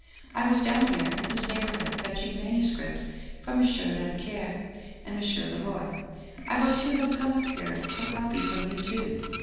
I was down here in this neighborhood fetching manuscripts from M. Labouchere and M. Laroy. I was to have come up here for copy from you, too.